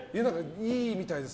いいみたいです